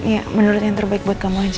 ya menurut yang terbaik buat kamu aja